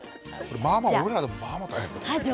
まあまあ俺らでもまあまあ大変だよ。